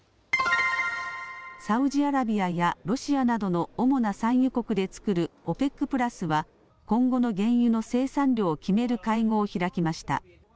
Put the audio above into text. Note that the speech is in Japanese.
サウジアラビアやロシアなどの主な産油国で作るＯＰＥＣプラスは今後の原油の生産量を決める会合を開きました。